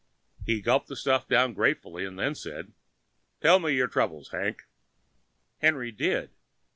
He gulped the stuff down gratefully, then said, "Tell me your troubles, Hank." Henry did.